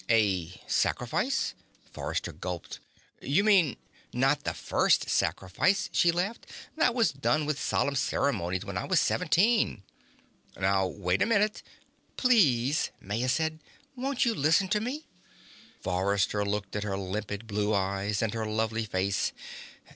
"A sacrifice?" Forrester gulped. "You mean " "Not the First Sacrifice," she laughed. "That was done with solemn ceremonies when I was seventeen." "Now, wait a minute " "Please," Maya said. "Won't you listen to me?" Forrester looked at her limpid blue eyes and her lovely face.